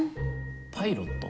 パイロット？